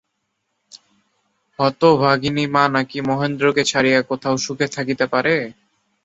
হতভাগিনী মা নাকি মহেন্দ্রকে ছাড়িয়া কোথাও সুখে থাকিতে পারে।